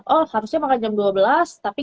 oh harusnya makan jam dua belas tapi